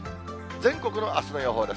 全国のあすの予報です。